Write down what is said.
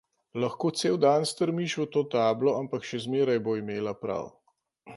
Lahko cel dan strmiš v to tablo, ampak še zmeraj bo imela prav.